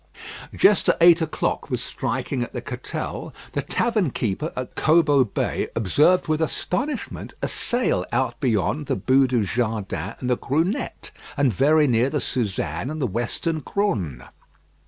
Just as eight o'clock was striking at the Catel, the tavern keeper at Cobo Bay observed with astonishment a sail out beyond the Boue du Jardin and the Grunettes, and very near the Susanne and the Western Grunes.